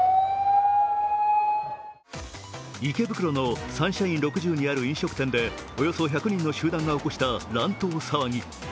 池袋のサンシャイン６０にある飲食店でおよそ１００人の集団が起こした乱闘騒ぎ。